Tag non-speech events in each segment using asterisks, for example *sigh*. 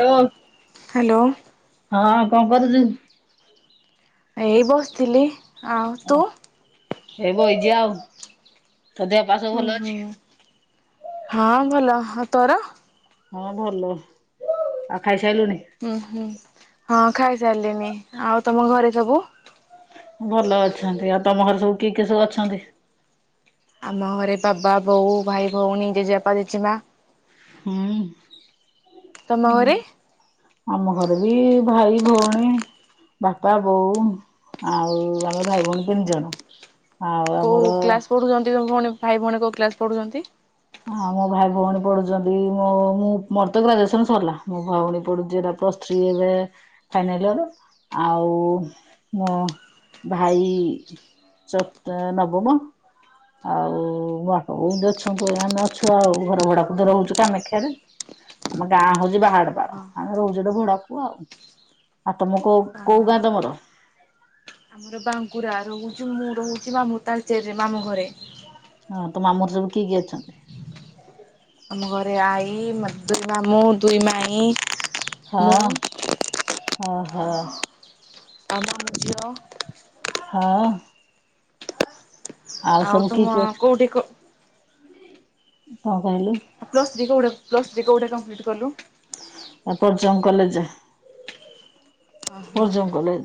Hello hello ହଁ କଣ କରୁଚୁ? ଏଇ ବସିଥିଲି ଆଉ ତୁ? ଏଇ ବଇଚି ଆଉ ତ ଦେ ହୁଁ ହୁଁ ହଁ ଭଲ ହ ତୋର? ହଁ ଭଲ ଆଉ ଖାଇସାଇଲୁଣି? ହୁଁ ହୁଁ ହଁ ଖାଇସାରିଲଣିି ଆଉ ତମ ଘରେ ସବୁ? ଭଲ ଅଛନ୍ତି ଆଉ ତମ ଘରେ ସବୁ କିଏ କିଏ ସବୁ ଅଛନ୍ତି? ଆମ ଘରେ ବାବା ବୋଉ ଭାଇ ଭଉଣୀ ଜେଜବାପା ଜେଜେମା। ହୁଁ ତମ ଉଁ। ଘରେ ଆମ ଘରେ ବି ଭାଇ ଭଉଣୀ। ବାପା ବୋଉ ଆଉ ଆମେ ଭାଇ ଭଉଣୀ ତିନି ଜଣ। ଆଉ କୋଉ ଆମର କ୍ଲାସ ପଢ଼ୁଛନ୍ତି ତ ଭଉଣୀ ଭାଇ ଭଉଣୀ କୋଉ କ୍ଲାସ ପଢ଼ୁଛନ୍ତି? ହଁ ମୋ ଭାଇ ଭଉଣୀ ପଢ଼ୁଛନ୍ତି ମୋ ମୁଁ ମୋର ତ ଗ୍ରାଜୁଏସନ ସରିଲା ମୋ ଭଉଣୀ ପଢ଼ୁଛି ଏରା ପ୍ଲସ ଥ୍ରୀ ଏବେ ଫାଇନାଲ ଇୟର ଆଉ ମୋ ଭାଇ ଚ ତା ନବମ। ଆଉ ମୋ ବାପା ବୋଉ ଅଛନ୍। ଆମେ ଅଛୁ ଆଉ ଘର ଭଡ଼ାକୁ ତ ରହୁଛୁ କାମାକ୍ଷାରେ। ଆମ ଗାଁ ହଉଛି ବାହାଡ଼ପାଳ ଓହୋ ଆମେ ରହୁଛୁ ତ ଭଡ଼ାକୁୁ ଆଉ। ଆଉ ତମ କୋଉ କୋଉ ଓହୋ ଗାଁ ତମର? ଆମର ବାଙ୍କୁରା ରହୁଛି ମୁଁ ରହୁଛି ମାମୁଁ ତାଳଚେରରେ ମାମୁଁ ଘରେ। ହଁ ତ ମାମୁଁର ସବୁ କିଏ କିଏ ଅଛନ୍ତି? ଆମ ଘରେ ଆଈ ଦୁ ମାମୁଁ ଦୁଇ ମାଇଁ। ମୁଁ ହଁ ଓହ। *unintelligible* ହଁ। ଆଉ ସବୁ ତୁମ କିଏ କିଏ ଅଛ କୋଉଠି କଣ କହିଲୁ? ପ୍ଲସ ଥ୍ରୀ କଉଠି ପ୍ଲସ ଥ୍ରୀ କଉଠି କମ୍ପ୍ଲିଟ କଲୁ? ପର୍ଜଙ୍ଗ କଲେଜ ଓହୋ ପର୍ଜଙ୍ଗ କଲେଜ।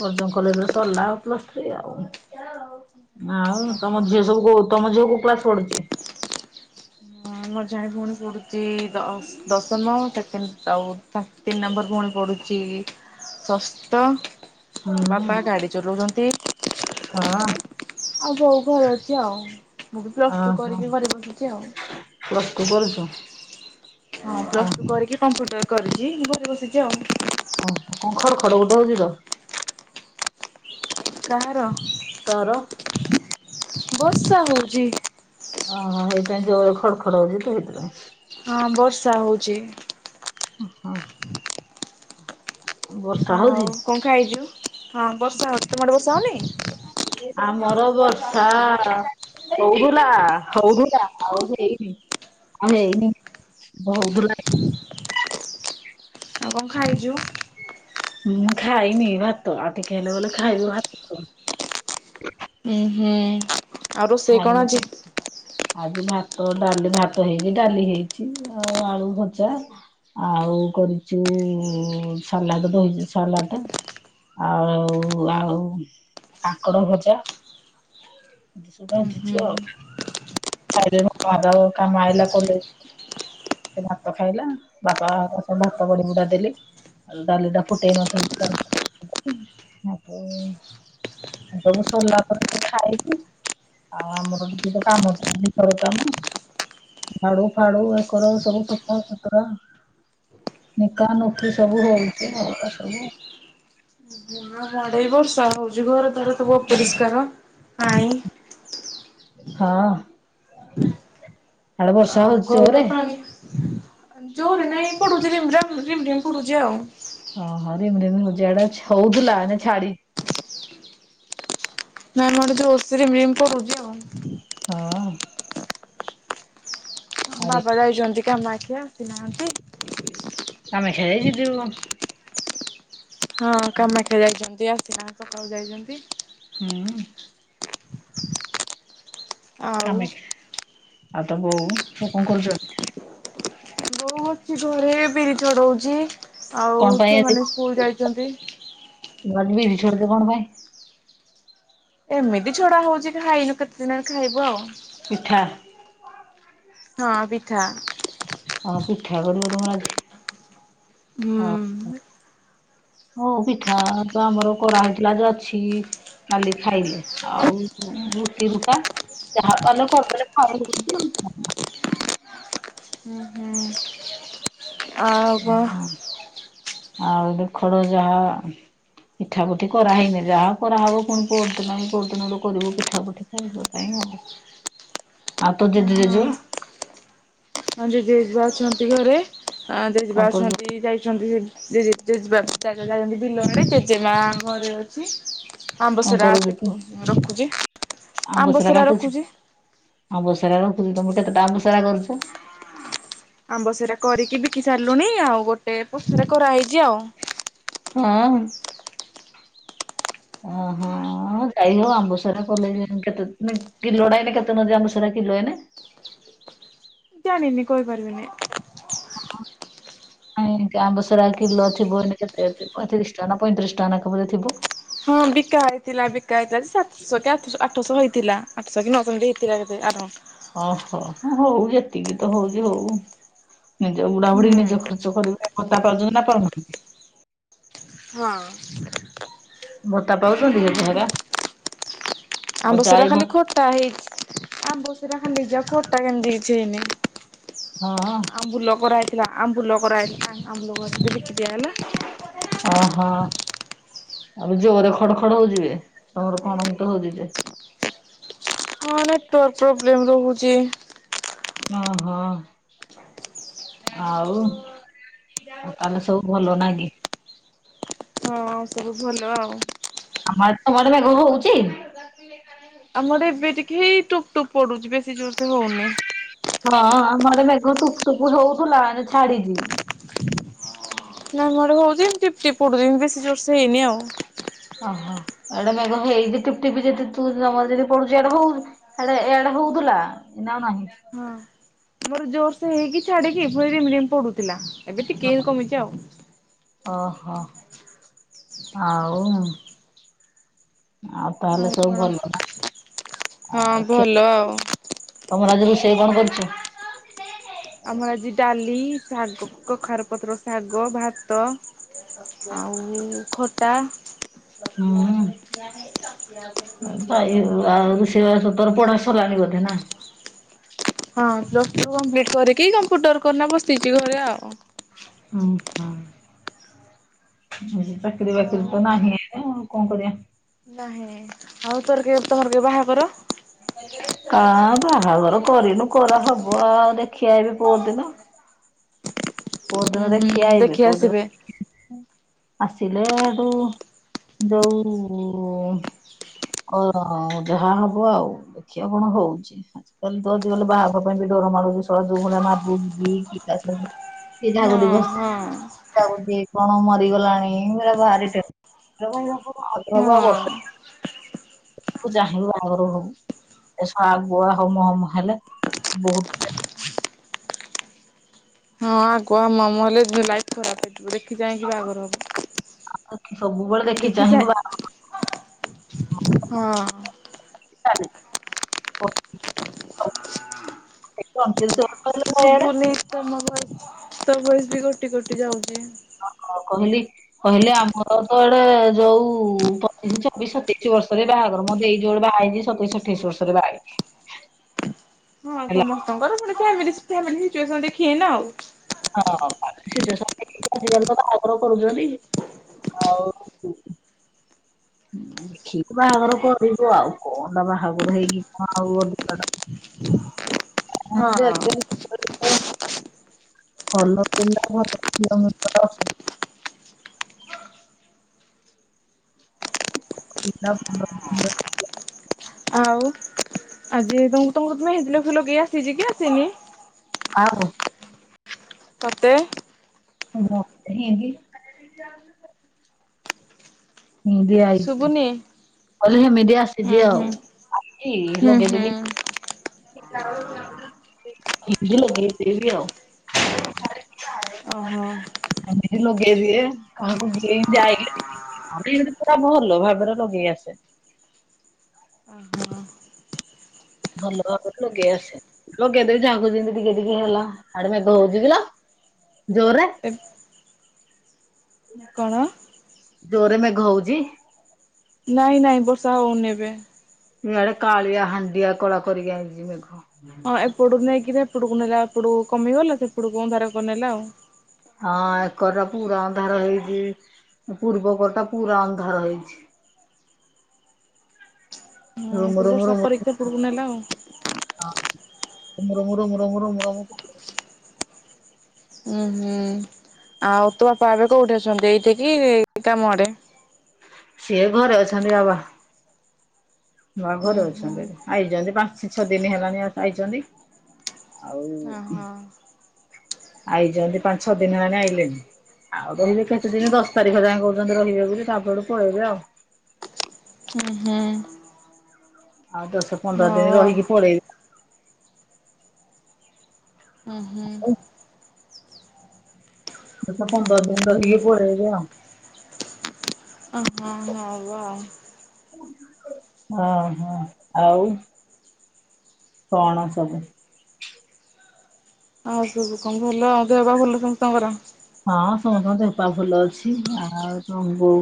ପର୍ଜଙ୍ଗ କଲେଜରେ ସରିଲା ଆଉ ପ୍ଲସ ଥ୍ରୀ ଆଉ। ଆଉ ଓହୋ। ତମ ଝିଅ ସବୁ କୋଉ ତମ ଝିଅ କୋଉ କ୍ଲାସ ପଢ଼ୁଛି? ମୋର ଜଣେ ଭଉଣୀ ପଢ଼ୁଛି ଦଶ ଦଶମ ସେକେଣ୍ଡ ଆଉ ତିନି ନମ୍ବର ଭଉଣୀ ପଢ଼ୁଛି ଷଷ୍ଟ। ହୁଁ ହଁ। ଆଉ ବୋଉ ଘରେ ଅଛି ଆଉ ମୁଁ ବି ପ୍ଲସ ଟୁ କରିକି ଘରେ ବସିଛି ଆଉ। ପ୍ଲସଟୁ କରୁଚୁ। ହଁ ପ୍ଲସ ଟୁ କରିକି କମ୍ପ୍ୟୁଟର କରିଛି ମୁ ଘରେ ବସିଛି ଆଉ। ଓହ କଣ ଖଡ଼ ଖଡ଼ ଗୋଟେ ହଉଛି ତ? କାହାର? ତର। ବର୍ଷା ହଉଛି। ଓହ ହେଇଥିପାଇଁ ଜୋରେ ଖଡ଼ ଖଡ଼ ହଉଛି ତ ସେଥିପାଇଁ। ହଁ ବର୍ଷା ହଉଚି। ଅ ହଁ। ବର୍ଷା ହଉଛି? ଆଉ କଣ ଖାଇଛୁ? ହଁ ବର୍ଷା ହଉଛି। ତୁମ ଆଡେ ବର୍ଷା ହଉନି। ଆମର ବର୍ଷା ହଉଥିଲା ହଉଥିଲା ଆଉ ହେଇନି ଆଉ ହେଇନି। ବହୁତ ଭଲ ଲାଗେ। ଆଉ କଣ ଖାଇଛୁ? ମୁଁ ଖାଇନି ଭାତ। ଆଉ ଟିକିଏ ହେଲେ ଗଲେ ଖାଇବି ଭାତ। ଉଁ ହୁଁ। ଆଉ ରୋଷେଇ କଣ ଖାଇନୁ ଆଜି? କି *inaudible* ଆଜି ଭାତ, ଡ଼ାଲି, ଭାତ ହେଇଛି ଡ଼ାଲି ହେଇଛି ଆଉ ଆଳୁ ଭଜା। ଆଉ କରିଛୁ ସାଲାଡ଼ ଦହି ସେ ସାଲାଟ। ଆଉ ଆଉ ଆଉ ଆଉ କାଙ୍କଡ଼ ଭଜା। ଏମତି ସବୁ ଉଁ ହୁଁ ଭାଜିଛୁ ଆଉ। *unintelligible* କାମ ଆଇଲା କଲେ। ସେ ଭାତ ଖାଇଲା। ବାପା ସବୁ ଭାତ ବଳି ବୁଡ଼ା ଦେଲି। ଆଉ ଡ଼ାଲିଟା ଫୁଟେଇ ନ ଥିଲି *unintelligible* ତ ମୁ ସବୁ ସରଲା ପରେ ସେ ଖାଇବି। ଆଉ ଆମର ଟିକେ ତ କାମ ସରିନି ଘର କାମ। ଝାଡୁ ଫାଡୁ ଏ କର ସବୁ ସଫା ସୁତୁରା। ନିକା ନୁପି ସବୁ ହଉଛି ଆଉ *inaudible* ସବୁ ମଡ଼େଇ ବର୍ଷା ହଉଛି ଘର ଦ୍ୱାର ସବୁ ଅପରିଷ୍କାର। ପାଣି ହଁ। ହେଆଡେ ବର୍ଷା ହଉଛି ଜୋରରେ। ହୁଁ ପରେ ନାଇଁ ପଡୁଚି ରିମ- ରାମ ଝିମ ଝିମ ପଡୁଛି ଆଉ। ହଁ ହଁ ରିମ - ରିମ ହଉଛି। ଏଆଡ଼େ ହଉଥିଲା ଏଇନେ ଛାଡ଼ି ନାମରେ ଯୋଉ ଓଷରି ମିମ୍ ପଡୁଛି ଆଉ। ହଁ। ଆରେ ବାବା ଯାଇଛନ୍ତି କାମାକ୍ଷା ଆସିନାହାନ୍ତି। ଆମେ ଖାଇକି ଯିବୁ। ହଁ କାମାକ୍ଷା ଯାଇଛନ୍ତି ଆସିନାହାନ୍ତି ସକାଳୁ ଯାଇଛନ୍ତି। ହୁଁ। ଆଉ କାମାକ୍ଷା। ଆଉ ତ ବୋଉ ସେ କଣ କରୁଛନ୍ତି? ବୋଉ ଅଛି ଘରେ ବିରି ଛଡ଼ଉଛି। ଆଉ କଣ ପାଇଁ ଛୁଆମାନେ ସ୍କୁଲ ଯାଇଛନ୍ତି। ମାନେ ବିିରି ଛଡ଼ଉଛି କଣ ପାଇଁ? ଏମିତି ଛଡ଼ା ହଉଛି ଖାଇନୁ କେତେ ଦିନରୁ ଖାଇବୁ ଆଉ। ପିଠା ହଁ ପିଠା। ହଁ ପିଠା କରିବ ତମର ଆଜି, ହଁ ହୁଁ। ହଁ। ହଁ ପିଠା ତ ଆମର କରାହେଇଥିଲା ଯ ଅଛି। କାଲି ଖାଇଲେ ଆଉ ଉଁ ରୁଟି ରୁଟା। ଯାହା ପାରଲୁ କରଦେଲେ *unintelligible* ଆଉ କଣ *unintelligible* ହୁଁ ହୁଁ। ଆଉ ଉଁ ହୁଁ, ଆଉ ଏ ଖରା ଯାହା। ପିଠା ପୁଠି କରାହେଇନି ଯାହା କରାହବ ପୁଣି ପୋହର ଦିନ କି କୋଉଦିନ ଲୋ କରିବୁ ପିଠା ପୁଠି ଖାଇବା ପାଇଁ ଆଉ। ଆଉ ତୋ ଜେଜେ, କଣ ଜେଜେମା? ହଁ ଜେଜେ, ଜେଜେମା ଅଛନ୍ତି ଘରେ। ଅଁ ଜେଜେ କଣ ବା କରୁ ଅଛନ୍ତି ଯାଇ ଛନ୍ତି। ଜେଜେ ଜେଜେବାପା ଯାଇ ଯାଇଛନ୍ତି ବିଲଆଡ଼େ। ଜେଜେମା ଘରେ ଅଛି। କଣ ଆମ୍ବସରା କରୁଛନ୍ତି? *unintelligible* ରଖୁଛି। ଆମ୍ବସରା ରଖୁଛି। ଆମ୍ବସରା ରଖୁଛି, ତମେ କେତେଟା ଅମ୍ବସରା କରୁଛ? ଆମ୍ବସେରା କରିକି ବିକି ସାରିଲୁଣି ଆଉ ଗୋଟେ ପଛରେ କରାହେଇଛି ଆଉ। ହୁଁ ଉଁ। ଓ ହୋ। ହଁ ଯାଇ ହଉ ଆମ୍ବସାରା କଲେ କେତେ ମିନ୍ କିଲୋଟା ଏଇନେ କେତେ ନଉଛି ଆମ୍ବସାରା କିଲୋ ଏଇନେ? ଜାଣିନି କହିପାରିବିନି। ଓହୋ। ନାଇଁ ଆମ୍ବସରା କିଲୋ ଥିବ ଏଇନେ କେତେ ପଇଁତିରିଶ ଟଙ୍କା ପଇଁତିରିଶ ଟଙ୍କା ନା କେତେ ଥିବ। ହଁ ବିକା ହେଇଥିଲା ବିକା ହେଇଥିଲା ସା ଶହ କି ଆଠଶହ ଆଠଶହ ହେଇଥିଲା ଆଠଶହ କି ନଅଶହ ଏମିତି ହେଇଥିଲା କେତେ ଆର ଓହୋ ହଉ ଯେତିକି ତ ହଉଛି ହଉ। ନିଜ ବୁଢ଼ା ବୁଢ଼ୀ ନିଜ ହୁଁ ଖର୍ଚ୍ଚ କରିବେ ଭତ୍ତା ପାଉଛନ୍ତି ନା ପାଉ ନାହାନ୍ତି? ହଁ। ମୋଟା ପାଉଛନ୍ତି ହେଯେ ହେଇଟା ଅଜା ଆଈ ମତ୍ ଟା ହେଇଛି ଆମ୍ବ ସିରା ଖାଲି ନିଜ ଖାଟା କେମତି କିଛି ଏଇନେ। ହଁ। ଆମ୍ବୁଲ କରାହେଇଥିଲା ଆମ୍ବୁଲ କରାହେଇଥିଲା ଆମ୍ବୁଲ ଗୋରା ଯେ ବିକିଦିଆ ହେଲା। ଓହୋ। ଆବେ ଜୋରରେ ଖଡ ଖଡ ହଉଚିବେ ତମର କଣ ଗୋଟେ ହଉଛି ଯେ। ହଁ ନେଟୱାକ ପ୍ରୋବ୍ଲେମ୍ ରହୁଛି। ଓହୋ। ଆଉ ତାହେଲେ ସବୁ ଭଲ ନା କି? ହଁ ସବୁ ଭଲ ଆଉ। ଆମର ତ ଘଡଘଡ ଘୁଘୁ ହଉଛି। ଆମର ଏବେ ଟିକେ ହେଇ ଟୁପ୍ ଟୁପ୍ ପଡୁଛି ବେଶୀ ଜୋରସେ ହଉନି। ଶୁଣ ଅମଆଡ଼େ ମେଘ ଠୁପ୍ ଠୁପ୍ ହଉଥିଲା ଏଇନେ ଛାଡିଛି। ନାଇଁ ଆମ ଆଡ଼େ ହଉଚି ଟିପ୍ ଟିପ୍ ପଡୁଛି ବେଶୀ ଜୋରସେ ହେଇନି ଆଉ। ଓହୋ ଏଡା ମେଘ ନୁହେଁ ହେଇଯେ ଟିପଟିପ ଯେ ଯଦି ତୁ ତମ ଯଦି ପଢୁଚୁ ଏଡାକୁ ହାଡେ ଇଆଡ଼େ ହଉଥିଲା ଏଇନା ଆଉ ନାହିଁ। ଆମର ଜୋରସେ ହେଇକି ଛାଡିକି ପୁଣି ରିମ୍ ରିମ୍ ପଡୁଥିଲା ଏବେ ଟିକେ କମିଛି ଆଉ। ଓହୋ ଆଉ। ଆଉ ତାହେଲେ ସବୁ ଭଲ ନା ହଁ ଆଉ ଖିଆ ଭଲ ଆଉ। ତମର ଆଜି ରୋଷେଇ କଣ କରିଛ? ଆମର ଆଜି ଡାଲି ଶାଗ କ କଖାର ପତ୍ର ଶାଗ ଭାତ ଆଉ ଖଟା। ହମ୍। ଆଉ ରୋଷେଇ ବାସ ତୋର ପଢା ସରଲାଣି ବୋଧେ ନା? ହଁ ପ୍ଲସ ଟୁ କମ୍ପ୍ଲିଟ କରିକି କମ୍ପ୍ୟୁଟର କରିନା ବସିଛି ଘରେ ଆଉ। ହୁଁ ହୁଁ। ଚାକିରୀ ବାକିରି ତ ନାହିଁ ଆଉ କଣ କରିବା। ନାଇଁ ଆଉ ତୋର କେ ତୋର କେ ବାହା କର। କା ବାହାଘର କରିନୁ କରାହବ ଆଉ ଦେଖି ଆଇବେ ପର୍ ଦିନ। ପର୍ ଉଁ ଦିନ ଦେଖି ହୁଁ ଆଇବେ ପର୍ ଦିନ। ଆସିବେ। ଆସିଲେ ହେଟୁ ଯୋଉ ଓ ଯାହା ହବ ଆଉ ଦେଖିଆ କଣ ହଉଛି। ଆଜକାଲି ତ ଆଜିକାଲି ବାହାଘର ପାଇଁ ବି ଡର ମଡୁଛିି ସଳା ଯୋଉ ଭଳିଆ ମାଗୁଛନ୍ତି *unintelligible* କିଏ କାହାକୁ ହଁ ଡିବସ୍ ହଁ କାହାକୁ କିଏ କଣ ମ ହେଇଗଲାଣି ତ ଭାରି ଟେନ୍, ସବୁ ହଁ। ଆଉ ବର୍ଷେ। ତୁ ଜାହିଁବୁ ବାହାଘର ହବୁ ଏ ସଳା ଆଗୁଆ ହମ ହମ ହେଲେ ବହୁତ ହଁ ଆଗୁଆ ମମ ହେଲେ ଲାଇପ୍ ଖରାପ ହେଇଯିବ ଦେଖି ଚାହିଁକି ବାହାଘର ହବ। ଆଖି ସବୁବେଳେ ଦେଖି ଚାହିଁବୁ ବାହାଘର। *unintelligible* ହଁ। *unintelligible* ଅଣତିରିଶି ବର୍ଷ ହେଲା ଇଆଡେ ଶୁଭୁନି ତମ ଭଏସ୍। ତ ବି କଟି କଟି ଯାଉଛି। କ-କ-କହିଲି। କହିଲି, ଆମର ତ ଆଡେ ଯୋଉ ପଚିଶି, ଛବିଶି, ସତେଇଶି ବର୍ଷରେ ବାହାଘର ମୋ ଦେଇ ଯୋଉଡେ ବାହା ହେଇଚି ସତେଇଶ ଅଠେଇଶ ବର୍ଷରେ ବା *inaudible* ହଁ, ସମସ୍ତଙ୍କର ଫୁଣି *unintelligible* ଦେଖିକିନା ଆଉ। ହଁ, ତା'ପରେ ସିଚୁଏସନ୍ ଦେଖିକି, ଆଜିକାଲି ତ ବାହାଘର କରୁଛନ୍ତି। ହଉ। *inaudible* ଦେଖିକି ବାହାଘର କରିବୁ ଆଉ। କଣ ବାହାଘର ହେଇକି, କଣ ଆଉ ଅଧିକାଟା ଦୁମ୍ ଦୁମ୍ *inaudible* ଭଲ ପିଲା ଭଲ *inaudible* ଅଛନ୍ତି। *inaudible* ଆଉ, ଆଜି ତମକୁ ତମକୁ ମେହେଦି ନ ଫୁଲ ଲଗେଇ ଆସିଛି କି ଆସିନି? କାହାକୁ। ତତେ। ମୋତେ ହିଁତି। ହୁଁ ଦିଆ ଏଇଚି। ଶୁଭୁନି କହିଲି ହେମିତି ଆସିଛି ହୁଁ ଆଉ। ହୁଁ। ଆଜି ହୁଁ ହୁଁ। ଲଗେଇଦେବି। *inaudible* ଲଗେଇଦେବି ଆଉ। ଓହୋ ହେମିତି ଲଗେଇଦିଏ। କାହାକୁ *unintelligible* ହମ ଇଁତି ପୁରା ଭଲ ଭାବରେ ଲଗେଇ ଆସେନି। ଭଲ ଭାବରେ ଲଗେଇ ଆସେନି। ଲଗେଇ ଦେବି ଯାହାକୁ ଯିଁତି ଟିକେ ଟିକେ ହେଲା। ହାଡେ ମେଘ ହଉଛି କିଲୋ! ଜୋରେ! ଏ କଣ? ଜୋରେ ମେଘ ହଉଛି! ନାଇଁ, ନାଇଁ, ବର୍ଷା ହଉନି ଏବେ। ଇଆଡେ, କାଳିଆ ହାଣ୍ଡିଆ କଳା କରିକି ଆଇଛି ମେଘ। ଏପଟୁକୁ ନେଇକିରି ହେପଟକୁ ନେଲା। ଏପଟକୁ କମିଗଲା। ସେପଟକୁ ଅନ୍ଧାର କରି ନେଲା ଆଉ। ହଁ, ଏକର ପୁରା ଅନ୍ଧାର ହେଇଚି। ପୂର୍ବକର ଟା ପୁରା ଅନ୍ଧାର ହେଇଛି। ହଁ ହ ଏପଟୁ ମୋର ବର୍ଷା ମୋର *inaudible* କରିକି ଏପଟକୁ ନେଲା ଆଉ। ହଁ, ରୋମ ରୋମ ରୋମ ରୋମ। ଉଁ ହୁଁ, ଆଉ, ତୋ ବାପା ଏବେ କୋଉଠେ ଅଛନ୍ତି? ଏଇଠି କି କାମଆଡେ? ସିଏ ଘରେ ଅଛନ୍ତି ବାବା। ବା ହୁଁ ଘରେ ହୁଁ। ଅଛନ୍ତି ଏବେ। ଆଇଛନ୍ତି ପା! ସେ ଛଅ ଦିନି ହେଲାଣି ଆଇଛନ୍ତି। ଆଉ ଓହୋ। ଆଇଚନ୍ତି, ପାଞ୍ଚ ଛଅ ଦିନ ହେଲାଣି ଆଇଲେଣି। ଆଉ, ରହିବେ କେତେ ଦିନି? ଦଶ ତାରିଖ ଯାଏଁ କହୁଛନ୍ତି ରହିବେ ବୋଲି। ତା 'ପରଠୁ ପଳେଇବେ ଆଉ। ହୁଁ ହୁଁ। ଆଉ, ଦଶ ପନ୍ଦର ଦିନ ହଉ ଆଉ। ରହିକି ପଳେଇବେ। ଓହୋ *inaudible* ଦଶ ପନ୍ଦର ଦିନ ରହିକି ପଳେଇବେ ଆଉ। ଅ, ହଁ, ହବା ଆଉ। ଅହ ଆଉ। କଣ ସବୁ। ଆଉ, ସବୁ କଣ, ଭଲ ଆଉ। ଦେହପା ଭଲ ସମସ୍ତଙ୍କର? ହଁ, ସମସ୍ତଙ୍କ ଦେହପା ଭଲ ଅଛି। ଆଉ ତମ ବୋଉ?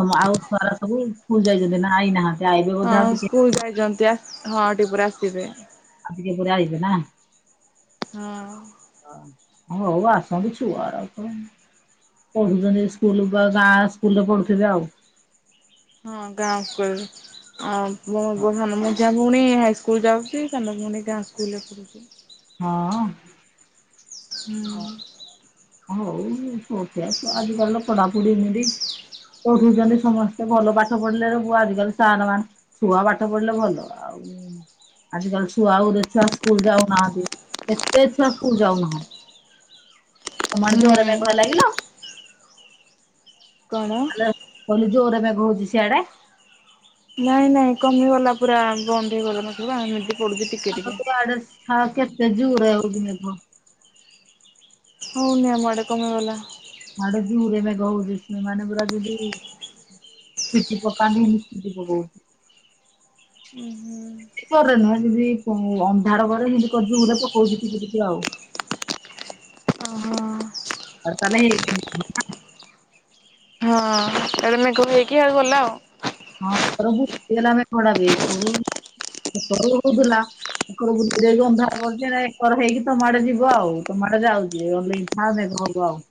ତମ ଆଉ, ଛୁଆରା ସବୁ ସ୍କୁଲ୍ ଯାଇଚନ୍ତି ନା ଆଇନାହାଁନ୍ତି? ହଁ, ସ୍କୁଲ ଯାଇଚନ୍ତି ଆ, ହଁ ଆଉ ଟିକେ ପରେ ଆସିବେ। ଆଉ ଟିକେ ପରେ ଆଇବେ ନା! ହଁ। ହଁ ହଉ ଆସନ୍ତୁ ଛୁଆଡା କଣ। ପଢୁଛନ୍ତି ସ୍କୁଲ ବା ଗାଁ ସ୍କୁଲରେ ପଢୁଥିବେ ଆଉ। ହଁ ଗାଁ ସ୍କୁଲରେ ଅ ମୋ *unintelligible* ମଝିଆ ଭଉଣୀ ହାଇସ୍କୁ ସ୍କଲ ଯାଉଛି, ସାନ ଭଉଣି ଗାଁ ସ୍କୁଲରେ ପଡ଼ୁଛି। ହଁ। ହୁଁ। ହଉ ପୁଅ ଛୁଆ ତ ଆଜି କାଲି ତ ପଢାପଢି ଇମିଦି। ପଢୁଚନ୍ତି ସମସ୍ତେ ଭଲ ପାଠ ପଢିଲେରେ ପୁଅ ଆଜିକାଲି ସାର ମାନେ ଛୁଆ ପାଠ ପଢିଲେ ଭଲ ଆଉ ଆଜିକାଲି ଛୁଆ ଗୁରେ ଛୁଆ ସ୍କୁଲ ଯାଉନାହାନ୍ତି କେତେ ଛୁଆ ସ୍କୁଲ ଯାଉନାହାନ୍ତି। ତମ ଆଡେ ଜୋରରେ ମେଘ ହେଲା ଗିଲ। କଣ? କହିଲ ଜୋରରେ ମେଘହଉଜି ସିଆଡେ। ନାଇଁ ନାଇଁ କମିଗଲା ପୁରା ବନ୍ଦ ହେଇଗଲା ନ ସବୁ ଆମେ ଏମିତି ପଡୁଚି? ଆଉ ଇଆଡ଼େ ସା କେତେ ଜୋରରେ ହଉଜି ମେଘ। ହଉନିି ଆମ ଆଡେ କମି ଗଲା। ମାଡ଼େ ଜୋର ରେ ମେଘ ହଉଜି ମନେ ପୁରା ଜିନ୍ଦି। ଛେଚି ପକାନି ହିନ୍ଦି ପକଉଚି। ଉଁ ହୁଁ। ଜୁର ରେ ନୁହେଁ ଯିନ୍ଦି ଅନ୍ଧାର କରେ ସିନ୍ଦି କରିଯି ଉଁହିଲେ ପକଉଜି ଝିପି ଝିପି ଆଉ ଓହୋ। *inaudible* ହଁ ଏବେ ମେଘ ହେଇକି ଆଡୁ ଗଲା ଆଉ। ହଁ ହେକରୁ ଘୁଟି ଥିଲା ମେଘଡା ବି ଏକରୁ ହେକରୁ ହଉଧିଲା। ଏକର ବୁଳେଇ ଦେଇକି ଅନ୍ଧାର କରୁଛି ଏକର ହେଇକି ତମ ଆଡେ ଯିବ ଆଉ ତମ ଆଡେ ଯାଉଛି। ଆଉ ମେଘ ହବ ଆଉ।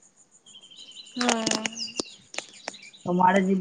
ହୁଁ। ତମ ଆଡେ ଜି